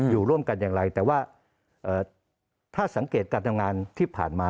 อยู่ร่วมกันอย่างไรแต่ว่าถ้าสังเกตการทำงานที่ผ่านมา